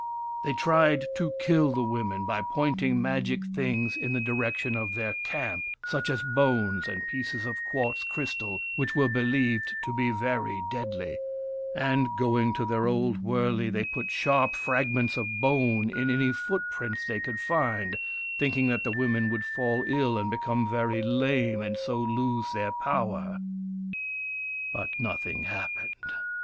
They tried to kill the women by pointing magic things in the direction of their camp, such as bones, and pieces of quartz crystal, which were believed to be very deadly ; and, going to their old wurley, they put sharp fragments of bone in any footprints they could find, thinking that the women would fall ill and become very lame, and so lose their 238 WURIP, THE FIRE BRINGER power. But nothing happened.